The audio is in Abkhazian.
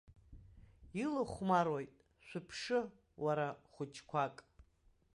Илахәмаруеит, шәыԥшы, уара, хәыҷқәак!